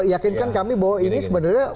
yakinkan kami bahwa ini sebenarnya